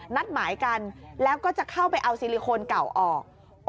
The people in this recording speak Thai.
นัดหมายกันแล้วก็จะเข้าไปเอาซิลิโคนเก่าออก